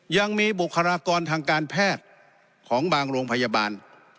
ยังมีบุคลากรทางการแพทย์ของบางโรงพยาบาล